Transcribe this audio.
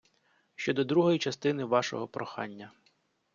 Щодо другої частини вашого прохання.